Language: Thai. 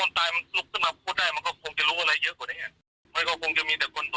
หื้ม